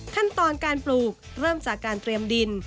ขั้นตอนการปลูกเริ่มจากการเตรียมดิน